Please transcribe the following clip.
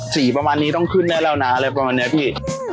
ประมาณนี้ต้องขึ้นแน่แล้วนะอะไรประมาณนี้พี่